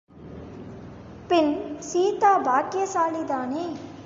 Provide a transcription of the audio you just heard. பின், சீதா பாக்கியசாலி தானே?